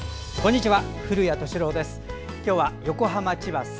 こんにちは。